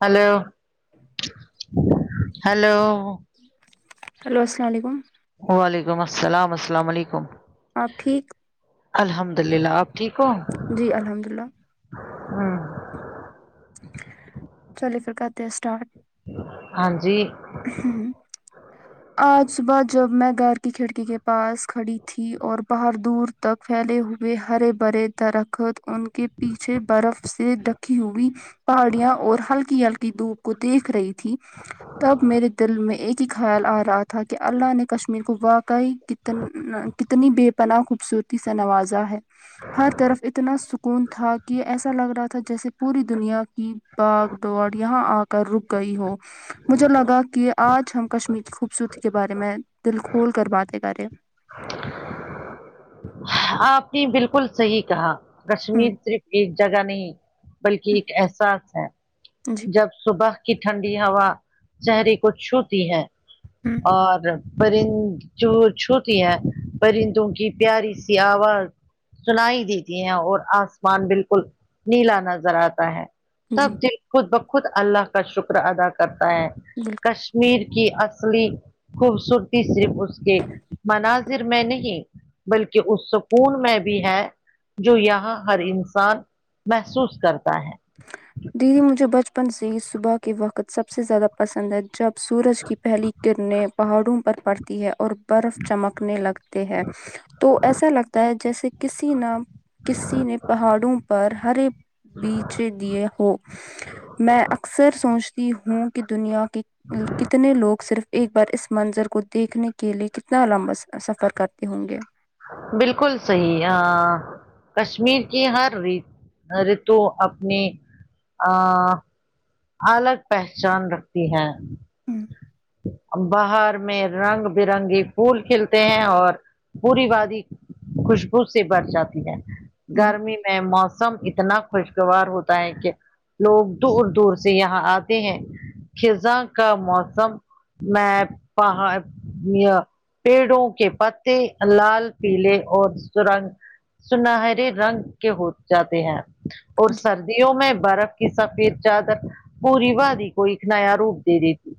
hello hello hello السلام علیکم وعلیکم السلام السلام علیکم آپ ٹھیک الحمد للہ آپ ٹھیک ہو جی الحمد للہ ہوں چلیے پھر کرتے ہیں اسٹارٹ ہاں جی ہوں آج صبح جب میں گھر کی کھڑکی کے پاس کھڑی تھی اور باہر دور تک پھیلے ہوئے ہرے بھرے درخت ان کے پیچھے برف سے ڈک ھی ہوی پہاڑیاں اور ہلکی ہلکی دھوپ کو دیکھ رہی تھی تب میرے دل میں ایک ہی خیال آ رہا تھا کہ اللہ نے کشمیر کو واق ع کتن کتنی بے پناہ خوبصورتی سے نوازا ہے ہر طرف اتنا سکون تھا کی ایسا لگ رہا تھا جیسے پوری دنیا کی باگ دوڑ یہاں آ کر رک گئی ہو مجھے لگا کہ آج ہم کشمیر کی خوبصورتی کے بارے میں دل کھول کر باتیں کریں آپ نے بالکل صحیح کہا ہ کشمیر صرف ایک جگہ نہیں بلکہ ایک احساس ہے جی جب صبح کی ٹھنڈی ہوا چہریے کو چھوتی ہے ہوں اور پرند چ چھوتی ہیں پرندوں کی پیاری سی آواز سنائی دیتی ہیں اور آسمان بالکل نیلا نظر آتا ہے تھ جی دل خود بخود اللہ کا شکر ادا کرتا ہے یہ کشمیر کی اصلی خوبصورتی صرف اس کے مناظر میں نہیں کہ اس سکون میں بھی ہے جو یہاں ہر انسان محسوس کرتا ہے دیدی مجھے بچپن سے ہی صبح کے وقت سب سے زیادہ پسند ہے جب سورج کی پہلی کرنیں پہاڑوں پر پڑتی ہے اور برف چمکنے لگتے ہیں تو ایسا لگتا ہے جیسے کسی نہ کسی نے پہاڑوں پر ہرے بیچھے دیے ہو میں اکثر سوچتی ہوں کہ دنیا کے کتنے لوگ صرف ایک بار اس منظر کو دیکھنے کے لیے کتنا لمبا سف سفر کرتے ہوں گے بالکل صحیح آں کشمیر کی ہر ریت ریتو اپنی آں الگ پہچان رکھتی ہے اب بہار میں رنگ برنگی پھول کھلتے ہیں اور پوری وادی خوشبو سے بھر جاتی ہے ہ گرمی میں موسم اتنا خوشگوار ہوتا ہے کہ لوگ دور دور سے یہاں آتے ہیں خزاں کا موسم میں پہاڑ یا پیڑوں کے پتے لال پیلے اور سرنگ سنہرے رنگ کے ہو جاتے ہیں اور جی سردیوں میں برف کی سفید زیادہ پوری وادی کو ایک نیا روپ دے دیتی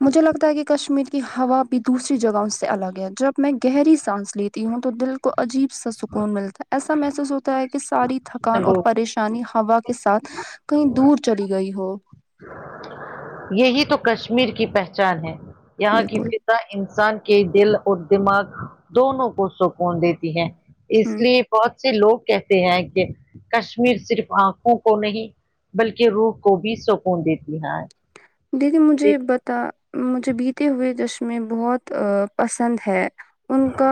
مجھے لگتا ہے کہ کشمیر کی ہوا بھی دوسری جگہوں سے الگ ہے جب میں گہری سانس لیتی ہوں تو دل کو عجیب سا سکون ملتا ہے ایسا محسوس ہوتا ہے کہ ساری تھکان اور ہے پریشانی ہوا کے ساتھ کہیں دور چلی گئی ہو یہی تو کشمیر کی پہچان ہے یہاں کی بالکل فض انسان کے دل اور دماغ دونوں کو سکون دیتی ہے اس ہوں لیے بہت سے لوگ کہتے ہیں کہ کشمیر صرف آنکھوں کو نہیں بلکہ روح کو بھی سکون دیتی ہے دیدی مجھے بتا مجھے بیتے ہوئے چشمے بہت پسند ہے ان کا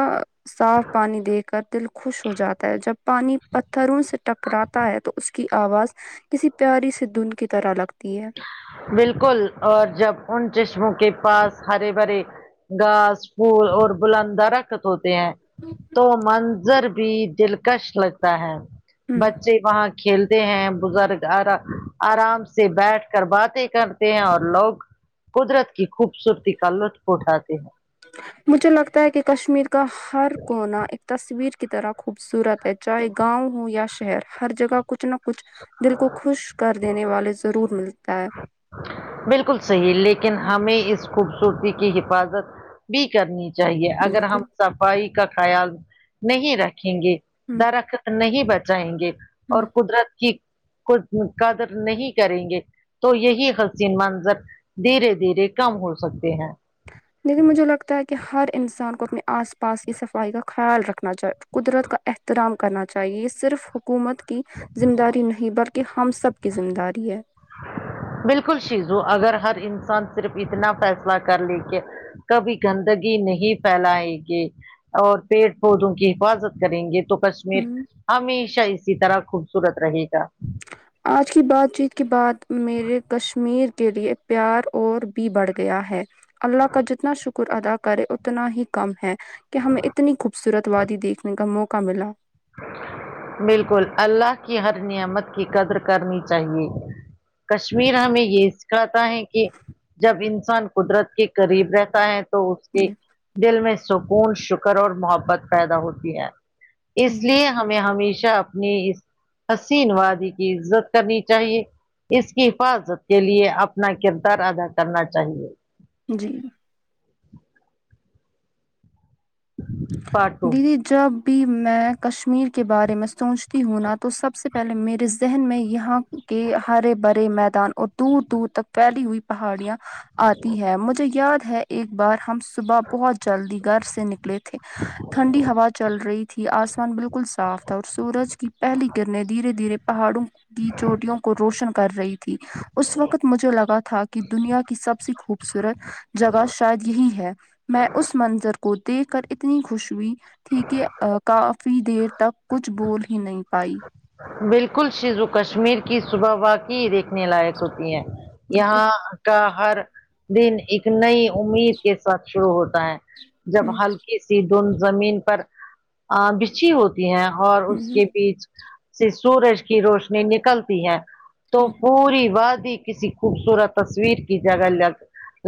صاف پانی دے کر دل خوش ہو جاتا ہے جب پانی پتھروں سے ٹکراتا ہے تو اسے کی آواز کسی پیاری سے دھن کی طرح لگتی ہے بالکل اور جب ان چشموں کے پاس ہرے بھرے گاس پھول اور بلند درخت ہوتے ہیں تو منظر بھی دلکش لگتا ہے ہوں بچے وہاں کھیلتے ہیں بزرگ آرا آرام سے بیٹھ کر باتیں کرتے ہیں اور لوگ قدرت کی خوبصورتی کا لطف اٹھاتے ہیں تو مجھے لگتا ہے کہ کشمیر کا ہر کونا ایک تصویر کی طرح خوبصورت ہے چاہے گاؤں ہو یا شہر ہر جگہ کچھ نہ کچھ کچھ دل کو خوش کر دینے والے ضرور ملتا ہے بالکل صحیح لیکن ہمیں اس خوبصورتی کی حفاظت بھی کرنی چاہیے اگر ہم بالکل صفائی کا خیال نہیں رکھیں گے ہوں درخت نہیں بچائیں گے ہوں اور قدرت کی کو قدر نہیں کریں گے تو یہی قض یہ منظر دھیرے دھیرے کم ہو سکتے ہیں لیکن مجھے لگتا ہے کہ ہر انسان کو اپنے آس پاس کی صفائی کا خیال رکھنا چاہے قدرت کا احترام کرنا چاہیے یہ صرف حکومت کی ذمداری نہیں بلکہ ہم سب کی ذمداری ہے بالکل شیزو اگر ہر انسان صرف اتنا فیصلہ کر لے کہ کبھی گندگی نہیں پھیلائے گی اور پیڑ پودوں کی حفاظت کریں گے تو کشمیر ہ ہمیشہ اسی طرح خوبصورت رہے گا آج کی بات چیت کے بعد میرے کشمیر کے لیے پیار اور بھی بڑھ گیا ہے اللہ کا جتنا شکر ادا کرے اتنا ہی کم ہے کہ ہمیں اتنی خوبصورت وادی دیکھنے کا موقع ملا بالکل اللہ کی ہر نعمت کی قدر کرنی چاہیئے کشمیر ہمیں یہ سکھاتا ہے کی جب انسان قدرت کے قریب رہتا ہے تو اس کے دل میں سکون شکر اور محبت پیدا ہوتی ہے اس لیے ہمیں ہمیشہ اپنی اس حسین وادی کی عزت کرنی چاہیے اس کی حفاظت کے لیے اپنا کردار ادا کرنا چاہیے جی پارٹ ٹو دیدی جب بھی میں کشمیر کے بارے میں سوچتی ہوں نا تو سب سے پہلے میرے ذہن میں یہاں کہ ہرے برے میدان اور دور دور تک پھیلی ہوئی پہاڑیا آتی ہے مجھے یاد ہے ایک بار ہم صبح بہت جلدی گھر سے نک لے تھے ٹنڈی ہوا چل رہی تھی آسمان بالکل صاف تھا اور سورج کی پہلی گرنیں دھیرے دھیرے پہاڑوں کی چوٹیوں کو روشن کر رہی تھی اس وقت مجھے لگا تھا کی دنیا کی سب سے خوبصورت جگہ شاید یہی ہے میں اس منذر کو دیکھ کر اتنی خوش ہوئی تھی کہ کا فی دیر تک کچھ بول ہی نہیں پائی بالکل شیزو کشمیر کی صبح واقع دیکھنے لائق ہوتی ہیں بالکل یہاں کا ہر دن ایک نئی امید کے ساتھ شروع ہوتا ہے جب ہ ہلکی سی دھن زمین پر ا بچھی ہو تی ہیں اور اس ہ کے بییچ سے سورج کی روشنی نکلتی ہے تو ہ پوری وادی کسی خوبصورت تصویر کی جگہ لگ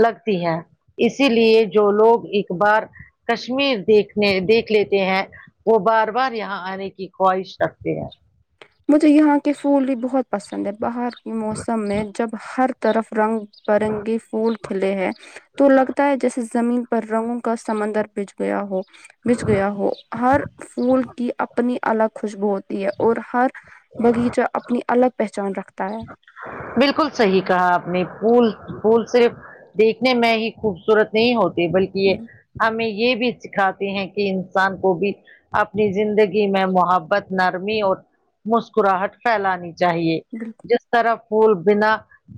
لگتی ہے اسی لیے جو لوگ ایک بار کشمیر دیکھنے دیکھ لیتے ہیں وہ بار بار یہاں آنے کی خواہش رکھتے ہیں مجھے یہاں کے پھول بھی بہت پسند ہے باہر کی موسم میں جب ہر طرف رنگ پرنگی پھول کھلے ہیں تو لگتا ہے جیسے زمین پر رنگوں کا سمندر بچھ گیا ہو بجھ گیا ہو ہر پھول کی اپنی الگ خوشبو ہوتی ہے اور ہر بغیچہ اپنی الگ پہچان رکھتا ہے بالکل صحیح کہا آپ نے پھول پھول صرف دیکھنے میں ہی خوبصورت نہیں ہوتے بلکہ یہ ہ ہمیں یہ بھی سکھاتے ہیں کہ انسان کو بھی اپنی زندگی میں محبت نرمی اور مسکراہٹ پھیلانی چاہیے بالکل اس طرح پھول بنا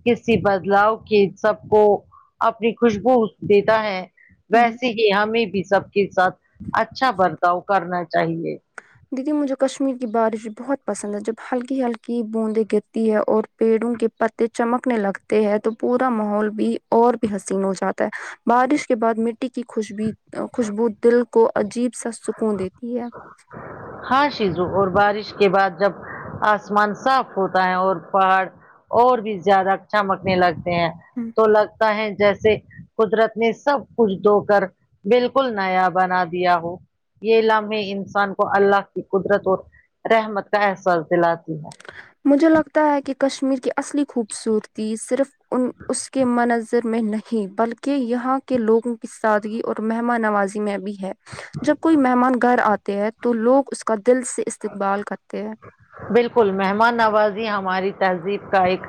کسی بدلاؤ کی سب کو اپنی خوشبو دیتا ہے ہ ویسے ہی ہمیں بھی سب کے ساتھ اچھا برتاؤ کرنا چاہیے دیدی مجھے کشمیر کی بارش بہت پسند ہے جب ہلکی ہلکی بوندیں گرتی ہے اور پیڑوں کے پتے چمکنے لگتے ہیں تو پورا ماحول بھی اور بھی حسین ہو جاتا ہے بارش کے بعد مٹی کی خوشبی خوشبو دل کو عجیب سا سکون دیتی ہے ہاں شیزو اور بارش کے بعد جب آسمان صاف ہوتا ہے اور پہاڑ اور بھی زیادہ چمکنے لگتے ہیں تو لگتا ہے جیسے قدرت نے سب کچھ دھو کر بالکل نیا بنا دیا ہو یہ لمحے انسان کو اللہ کی قدرت اور رحمت کا احساس دلاتی ہے مجھے لگتا ہے کہ کشمیر کی اصلی خوبصورتی صرف ان اس کے مناظ ر میں نہیں بلکہ یہاں کے لوگوں کی سادگی اور مہمان نوازی میں بھی ہے جب کوئی مہمان گھر آتے ہے تو لوگ اس کا دل سے استقبال کرتے ہے بالکل مہمان نوازی ہماری تہذیب کا ایک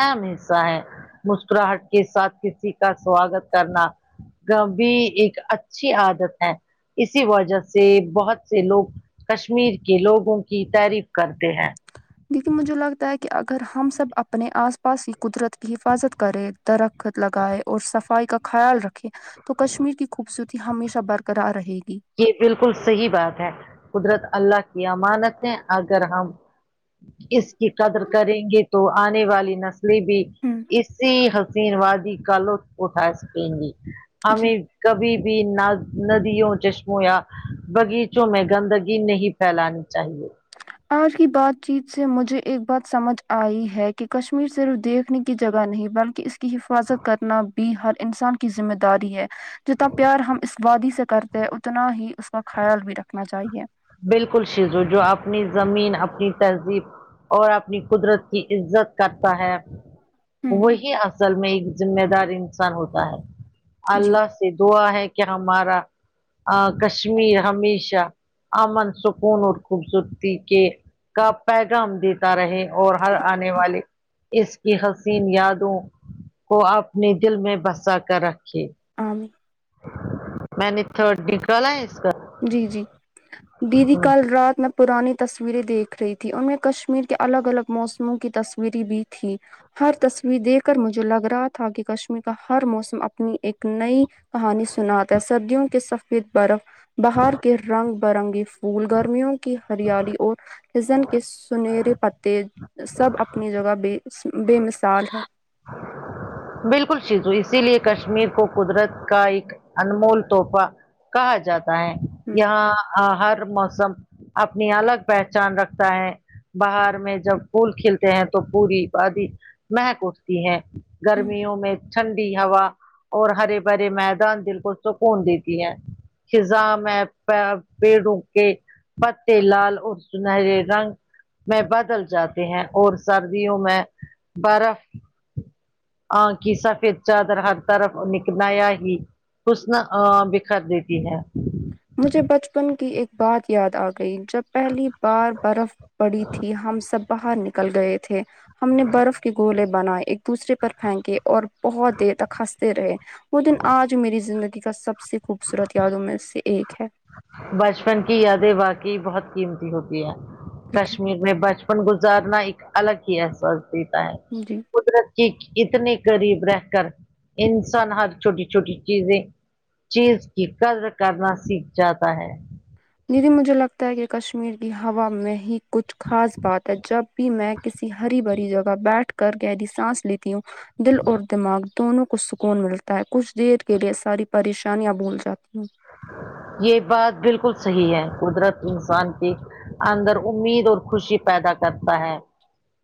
اہم حصہ ہے مسکراہٹ کے ساتھ کسی کا سواگت کرنا کبھی ایک اچھی عادت ہے اسی وجہ سے بہت سے لوگ کشمیر کے لوگوں کی تعریف کرتے ہیں لیکن مجھے لگتا ہے کہ اگر ہم سب اپنے آس پاس کی قدرت کی حفاظت کرے درخت لگائے اور صفائی کا خیال رکھے تو کشمیر کی خوبصورتی ہمیشہ برقرار رہے گی یہ بالکل صحیح بات ہے قدرت اللہ کی امانت ہے اگر ہم اس کی قدر کریں گے تو آنے والی نسلیں بھی ہوں اسی حسین وادی کا لطف اٹھا سکیں گے جی ہمیں کبھی بھی نہ ندیوں جش یا بغیچوں میں گندگی نہیں پھیلانی چاہیے آج کی بات چیت سے مجھے ایک بات سمجھ آئی ہے کہ کشمیر صرف دیکھ نے کی جگہ نہیں بلکہ اس کی حفاظت کرنا بھی ہر انسان کی ذمہ داری ہے جتنا پیار ہم اس وادی سے کرتے ہیں اتنا ہی اس کا خیال بھی رکھنا چاہیے بالکل شیزو جو اپنی زمین اپنی تہذیب اور اپنی قدرت کی عزت کرتا ہے ہوں وہی اصل میں ایک ذمہ دار انسان ہوتا ہے جی اللہ سے دعا ہے کہ ہمارا ا کشمیر ہمیشہ امن سکون اور خوبصورتی کے کا پیغام دیتا رہے اور ہر آنے والی اس کی حسین یادوں کو اپنے دل میں بسا کر رکھیے آں میں نے تھرڈ نکالا ہے اس کا جی جی دیدی کل رات میں پرانی تصویریں دیکھ رہی تھی ان میں کشمیر کے الگ الگ موسموں کی تصویریں بھی تھی ہر تصویر دیکھ کر مجھے لگ رہا تھا کہ کشمیر کا ہر موسم اپنی ایک نئی کہانی سناتا ہے سردیوں کے سفید برف باہر کے رنگ برنگی پھول گرمیوں کی ہریالی اور ہزن کے سنہرے پتے سب اپنی جگہ ب بے مثال ہے بالکل شیزو اسی لیے کشمیر کو قدرت کا ایک انمول تحفہ کہا جاتا ہے یہاں ا ہر موسم اپنی الگ پہچان رکھتا ہے بہار میں جب پھول کھلتے ہیں تو پوری وادی مہک اٹھتی ہے گرمیوں میں ٹھنڈی ہوا اور ہرے بھرے میدان دل کو سکون دیتی ہیں خزاں میں پ پیڑوں کے پتے لال اور سنہرے رنگ میں بدل جاتے ہیں اور سردیوں میں برف آ کی سفید چادر ہر طرف نک نیا ہی حسن ا بکھر دیتی ہے مجھے بچپن کی ایک بات یاد آ گئی جب پہلی بار برف پڑی تھی ہم سب باہر نکل گئے تھے ہم نے برف کے گولے بنائے ایک دوسرے پر پھینکے اور بہت دیر تک ہنستے رہے وہ دن آج میری زندگی کا سب سے خوبصورت یادوں میں سے ایک ہے بچپن کی یادیں واقعی بہت قیمتی ہوتی ہیں بالکل کشمیر میں بچپن گزارنا ایک الگ ہی احساس دیتا ہے جی قدرت کی اتنے قریب رہ کر انسان ہر چھوٹی چھوٹی چیزیں چیز کی قدر کرنا سیکھ جاتا ہے دیدی مجھے لگتا ہے کہ کشمیر کی ہوا میں ہی کچھ خاص بات ہے جب بھی میں کسی ہری بھری جگہ بیٹھ کر گہری سانس لیتی ہوں دل اور دماغ دونوں کو سکون ملتا ہے کچھ دیر کے لیے ساری پریشانیاں بھول جاتی ہوں یہ بات بالکل صحیح ہے قدرت انسان کی اندر امید اور خوشی پیدا کرتا ہے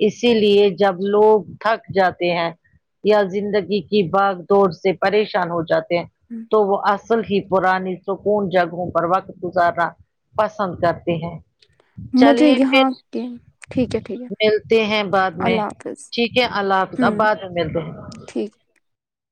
اسی لیے جب لوگ تھک جاتے ہیں یا زندگی کی باگ دوڑ سے پریشان ہو جات ہوں تو وہ اصل ہی پرانی سکون جگہوں پر وقت گزارنا پسند کرتے ہیں مجھے چلیے پھر یہاں کے ٹھیک ہے ٹھیک ہے ملتے ہیں بعد میں اللہ حافظ ٹھیک ہے اللہ حافظ اب ہوں بعد میں ملتے ہے ٹھیک